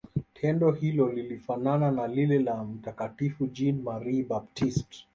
tendo hilo lilifanana na lile la mtakatifu jean marie baptiste